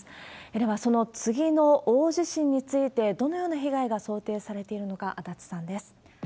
では、その次の大地震について、どのような被害が想定されているのか、足立さんです。